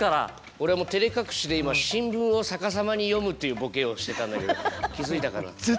俺もてれ隠しで今新聞を逆さまに読むっていうボケをしてたんだけど気づいたかな。